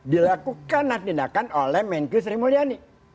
dilakukan latinakan oleh menki sri mulyani